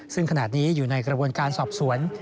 ซึ่งขณะนี้อยู่ในกระบวนการสอบสวน